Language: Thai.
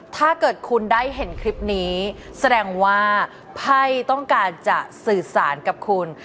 ถ้าเกิดคุณได้เห็นคลิปนี้แสดงว่าไพ่ต้องการจะสื่อสารกับคุณ